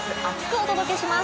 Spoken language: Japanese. お届けいたします。